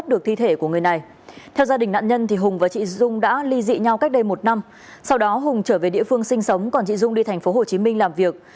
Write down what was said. theo gia đình nạn nhân hùng và chị dung đã ly dị nhau cách đây một năm sau đó hùng trở về địa phương sinh sống còn chị dung đi tp hcm làm việc